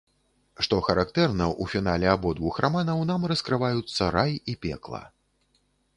Што характэрна, у фінале абодвух раманаў нам раскрываюцца рай і пекла.